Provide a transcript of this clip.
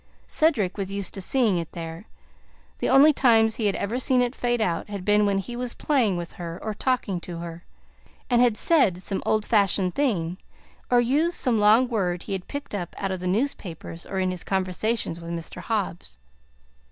Cedric was used to seeing it there; the only times he had ever seen it fade out had been when he was playing with her or talking to her, and had said some old fashioned thing, or used some long word he had picked up out of the newspapers or in his conversations with Mr. Hobbs.